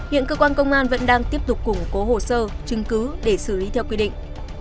hiện cơ quan công an vẫn đang tiếp tục củng cố hồ sơ chứng cứ để xử lý theo quy định